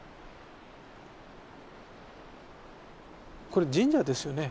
これ神社ですよね。